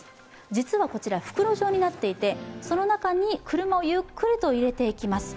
実はこちら、袋状になっていて、その中に車をゆっくりと入れていきます。